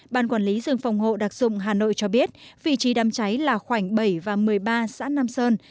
ban quản lý rừng phòng hộ đặc dụng hà nội cho biết vị trí đám cháy là khoảnh bảy và một mươi ba xã nam sơn